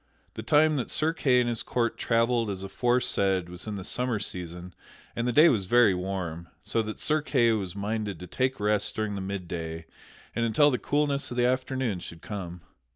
The time that Sir Kay and his court travelled as aforesaid was in the summer season and the day was very warm, so that Sir Kay was minded to take rest during the midday and until the coolness of the afternoon should come.